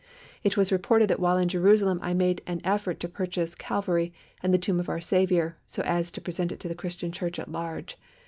It was reported that while in Jerusalem I made an effort to purchase Calvary and the tomb of our Saviour, so as to present it to the Christian Church at large.